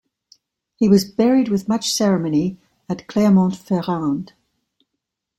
He was buried with much ceremony at Clermont-Ferrand.